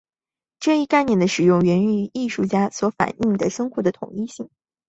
这一概念的使用源于艺术家想反映生活的统一性。